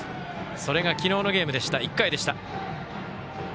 それが昨日のゲームの１回でした。